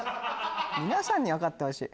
皆さんに分かってほしい。